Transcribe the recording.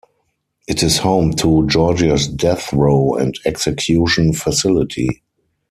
It is home to Georgia's death row and execution facility.